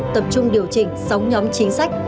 tập trung điều chỉnh sáu nhóm chính sách